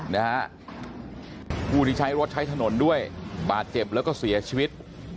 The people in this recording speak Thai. นะฮะผู้ที่ใช้รถใช้ถนนด้วยบาดเจ็บแล้วก็เสียชีวิต